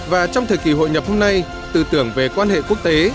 và trong thời kỳ hội nhập hôm nay tư tưởng về quan hệ quốc tế